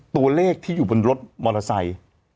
ตัวเลขที่อยู่บนรถมอเตอร์ไซค์